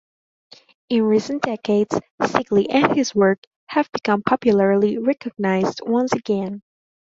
In recent decades, Stickley and his work have become popularly recognized once again.